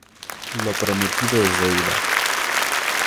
Lo prometido es deuda.